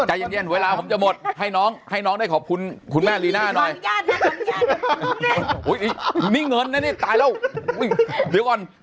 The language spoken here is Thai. ใจเย็นเย็นเวลาผมจะหมดให้น้องได้ขอบคุณคุณแม่รีน่าหน่อย